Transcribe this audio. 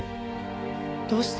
どうして？